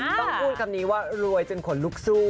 ต้องพูดคำนี้ว่ารวยจนขนลุกสู้